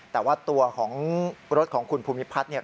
แต่ว่าตัวของรถของคุณภูมิพัฒน์เนี่ย